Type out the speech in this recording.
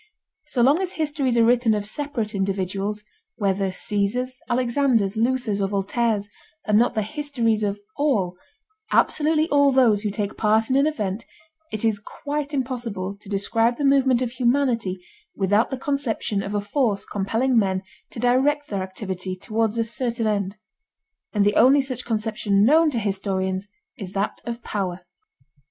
So long as histories are written of separate individuals, whether Caesars, Alexanders, Luthers, or Voltaires, and not the histories of all, absolutely all those who take part in an event, it is quite impossible to describe the movement of humanity without the conception of a force compelling men to direct their activity toward a certain end. And the only such conception known to historians is that of power.